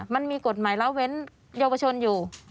มันมีกฎหมายเล่าเว้นเยาวชนอยู่